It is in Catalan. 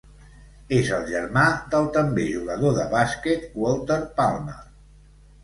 És el germà del també jugador de bàsquet Walter Palmer.